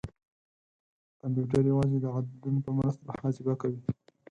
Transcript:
کمپیوټر یوازې د عددونو په مرسته محاسبه کوي.